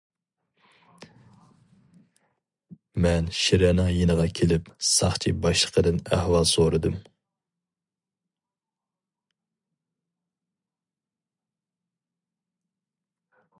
مەن شىرەنىڭ يېنىغا كېلىپ ساقچى باشلىقىدىن ئەھۋال سورىدىم.